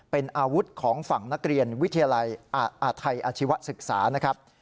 เป็นอาวุธของฝั่งนักเรียนวิทยาลัยอาทัยอาชีวศึกษานะครับ